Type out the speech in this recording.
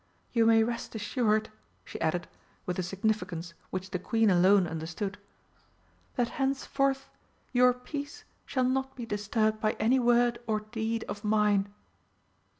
You may rest assured," she added, with a significance which the Queen alone understood, "that henceforth your peace shall not be disturbed by any word or deed of mine."